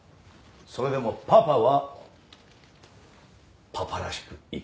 それでもパパはパパらしく生きたい。